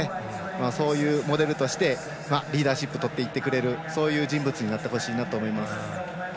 そういうモデルとしてリーダーシップをとってくれる人物になってほしいなと思います。